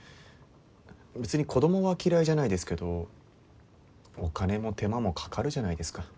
別に子供は嫌いじゃないですけどお金も手間もかかるじゃないですか。